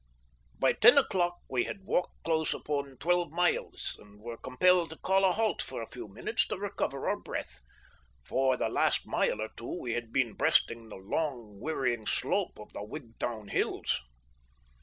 By ten o'clock we had walked close upon twelve miles, and were compelled to call a halt for a few minutes to recover our breath, for the last mile or two we had been breasting the long, wearying slope of the Wigtown hills.